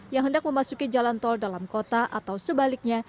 yang hendak memasuki jalan tol dalam kota atau sebaliknya